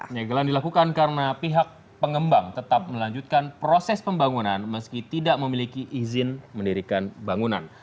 penyegelan dilakukan karena pihak pengembang tetap melanjutkan proses pembangunan meski tidak memiliki izin mendirikan bangunan